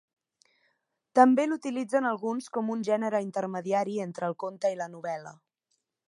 També l'utilitzen alguns com un gènere intermediari entre el conte i la novel·la.